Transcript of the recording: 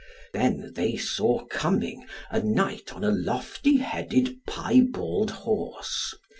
Then they saw coming a knight on a lofty headed piebald horse.